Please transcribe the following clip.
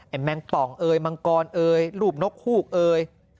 แมงป่องเอ่ยมังกรเอ่ยรูปนกฮูกเอ่ย